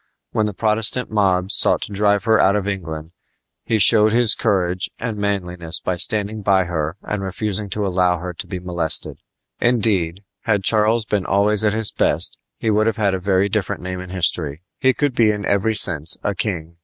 When the Protestant mobs sought to drive her out of England he showed his courage and manliness by standing by her and refusing to allow her to be molested. Indeed, had Charles been always at his best he would have had a very different name in history. He could be in every sense a king.